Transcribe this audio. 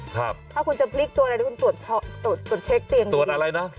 ถ้าคุณจะพลิกตัวอะไรคุณตรวจเช็คเตียงดีตรวจอะไรนะ